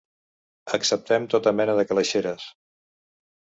Acceptem tota mena de calaixeres.